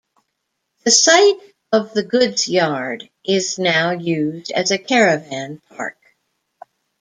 The site of the goods yard is now used as a caravan park.